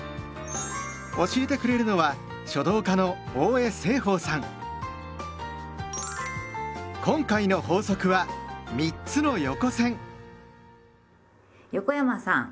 教えてくれるのは今回の法則は横山さん。